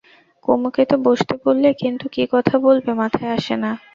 কুমুকে তো বসতে বললে, কিন্তু কী কথা বলবে মাথায় আসে না।